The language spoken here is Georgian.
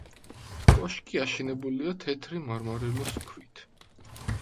კოშკი აშენებულია თეთრი მარმარილოს ქვით.